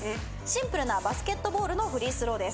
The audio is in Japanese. シンプルなバスケットボールのフリースローです。